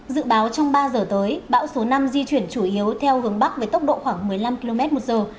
dự báo trong ba giờ tới bão số năm di chuyển chủ yếu theo hướng bắc với tốc độ khoảng một mươi năm km một giờ